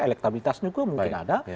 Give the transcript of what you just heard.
elektabilitasnya juga mungkin ada